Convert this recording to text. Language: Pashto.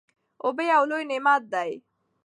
اوبه یو لوی نعمت دی.